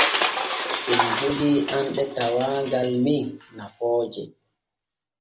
Em jogee anɗe tawaagal men nafooje.